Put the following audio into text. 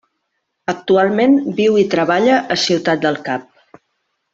Actualment viu i treballa a Ciutat del Cap.